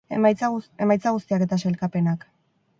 Emaitza guztiak eta sailkapenak.